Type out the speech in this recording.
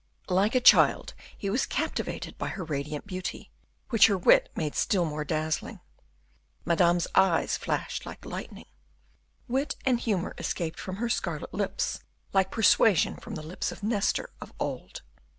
Like a child, he was captivated by her radiant beauty, which her wit made still more dazzling. Madame's eyes flashed like lightning. Wit and humor escaped from her scarlet lips like persuasion from the lips of Nestor of old.